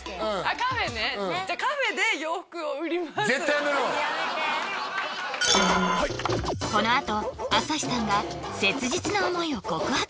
やめてこのあと朝日さんが切実な思いを告白！